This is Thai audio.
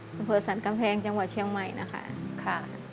อำเภอสรรกำแพงจังหวัดเชียงใหม่นะคะค่ะ